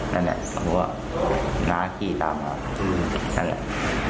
นั่นแหละสมมุติว่าน้าขี่ตามมานั่นแหละ